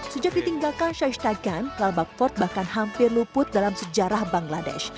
sejak ditinggalkan syahistakyan lalabak fort bahkan hampir luput dalam sejarah bangladesh